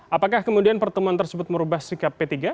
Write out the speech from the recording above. apakah kemudian pertemuan tersebut merubah sikap p tiga